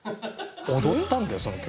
踊ったんだよその曲。